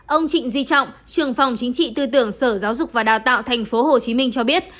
ông trịnh duy trọng trường phòng chính trị tư tưởng sở giáo dục và đào tạo tp hcm cho biết